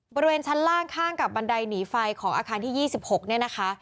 บริเวณชั้นล่างข้างกับบันไดหนีไฟของอาคารที่๒๖เนี่ยนะคะ